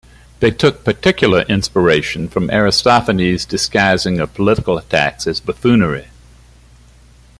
They took particular inspiration from Aristophanes' disguising of political attacks as buffoonery.